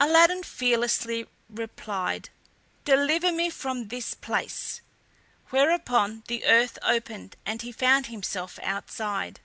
Aladdin fearlessly replied, "Deliver me from this place!" whereupon the earth opened, and he found himself outside.